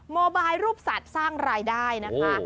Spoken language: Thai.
โมบายรูปสัตว์สร้างรายได้นะคะ